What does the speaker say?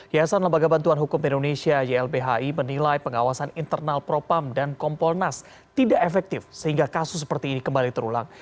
yayasan lembaga bantuan hukum indonesia ylbhi menilai pengawasan internal propam dan kompolnas tidak efektif sehingga kasus seperti ini kembali terulang